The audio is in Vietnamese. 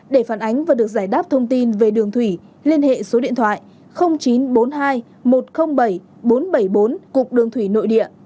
để phản ánh và được giải đáp thông tin về đường thủy liên hệ số điện thoại chín trăm bốn mươi hai một trăm linh bảy bốn trăm bảy mươi bốn cục đường thủy nội địa